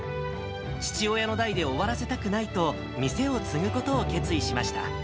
父親の代で終わらせたくないと、店を継ぐことを決意しました。